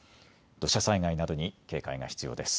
土砂災害などに警戒が必要です。